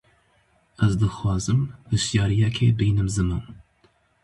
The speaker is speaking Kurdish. Ez dixwazim hişyariyekê bînim ziman.